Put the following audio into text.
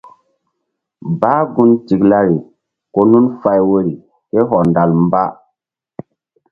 Bah gun tiklari ko nun fay woyri ké hɔndal mba.